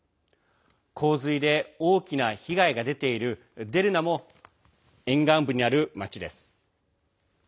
洪水で大きな被害が出ているデルナも沿岸部にある町です。